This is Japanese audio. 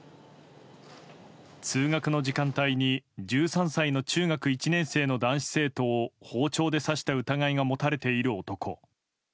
通学の時間帯に１３歳の中学１年生の男子生徒を包丁で刺した疑いが持たれている男。